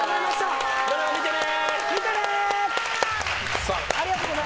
ドラマ見てね！